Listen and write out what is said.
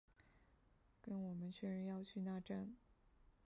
跟我们确认要去那站